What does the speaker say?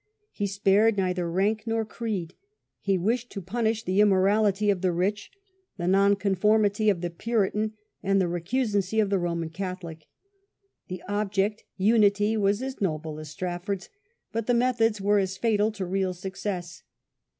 He spared neither rank nor creed. He wished to punish the immorality of the rich, the nonconformity of the Puritan, and the recusancy of the Roman Catholic. The object, unity, was as noble as Strafford's, but the methods were as fatal to real success.